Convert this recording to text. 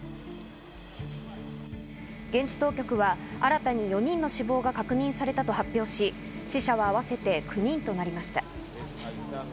現地当局は新たに４人の死亡が確認されたと発表し、死者は合わせて９人となりました。